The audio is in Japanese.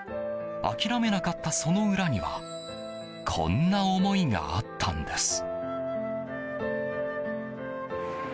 諦めなかったその裏にはこんな思いがあったんです。